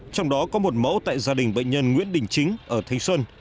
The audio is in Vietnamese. trong đó có một mẫu tại gia đình bệnh nhân nguyễn đình chính ở thanh xuân